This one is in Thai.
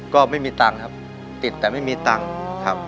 ก็ไม่มีตังค์ครับติดแต่ไม่มีตังค์ครับ